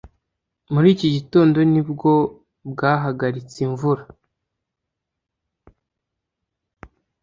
Muri iki gitondo ni bwo bwahagaritse imvura